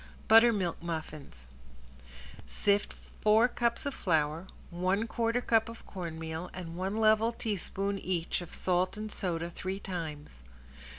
~BUTTERMILK MUFFINS~ Sift four cups of flour, one quarter cup of cornmeal, and one level teaspoon each of salt and soda three times.